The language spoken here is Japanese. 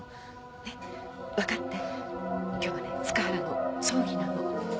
ねっわかって今日はね塚原の葬儀なの。